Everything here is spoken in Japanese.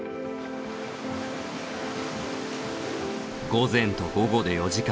午前と午後で４時間。